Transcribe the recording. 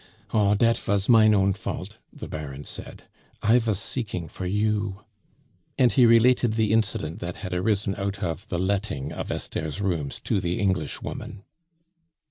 "Oh, dat vas mein own fault," the Baron said. "I vas seeking for you." And he related the incident that had arisen out of the letting of Esther's rooms to the Englishwoman.